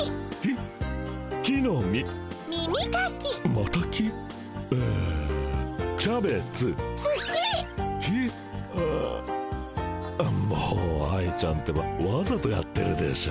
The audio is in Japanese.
もう愛ちゃんってばわざとやってるでしょ？